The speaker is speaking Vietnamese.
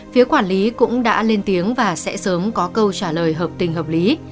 phía quản lý cũng đã lên tiếng và sẽ sớm có câu trả lời hợp tình hợp lý